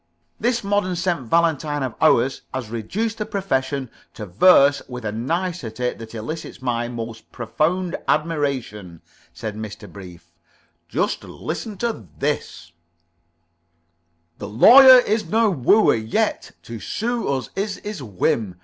"This modern St. Valentine of ours has reduced the profession to verse with a nicety that elicits my most profound admiration," said Mr. Brief. "Just listen to this: "The Lawyer is no wooer, yet To sue us is his whim.